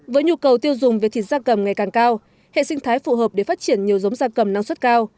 với nhu cầu tiêu dùng về thịt da cầm ngày càng cao hệ sinh thái phù hợp để phát triển nhiều giống gia cầm năng suất cao